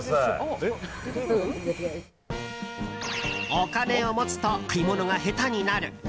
お金を持つと買い物が下手になる。